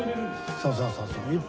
そうそうそうそう。